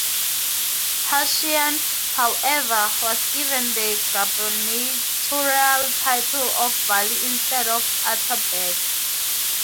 Husain, however, was given the gubernatorial title of vali instead of atabeg.